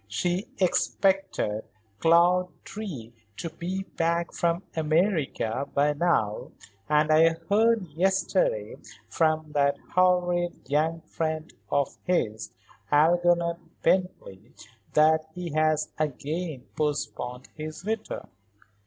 She expected Claude Drew to be back from America by now and I heard yesterday from that horrid young friend of his, Algernon Bently, that he has again postponed his return.